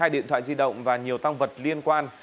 hai điện thoại di động và nhiều tăng vật liên quan